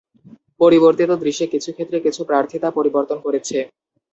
পরিবর্তিত দৃশ্যে কিছু ক্ষেত্রে কিছু প্রার্থিতা পরিবর্তন করেছে।